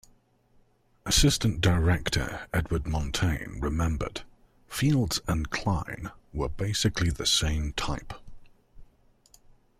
Assistant director Edward Montagne remembered, Fields and Cline were basically the same type.